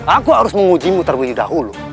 aku harus menguji mu terlebih dahulu